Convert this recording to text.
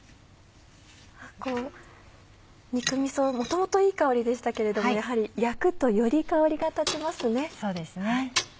肉みそ元々いい香りでしたけれどもやはり焼くとより香りが立ちますね。